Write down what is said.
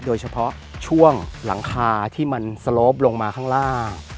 โดยเฉพาะช่วงหลังคาที่มันสโลปลงมาข้างล่าง